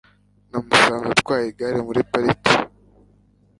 Namusanze atwaye igare muri parike.